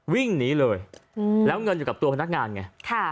วิ่งหนีเลยแล้วเงินอยู่กับตัวพนักงานไง